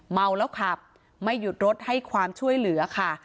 เมาแล้วขับไม่หยุดรถให้ความช่วยเหลือค่ะ